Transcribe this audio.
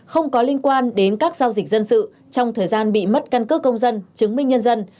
không có liên quan đến các giao dịch dân sự trong thời gian bị mất căn cước công dân chứng minh nhân dân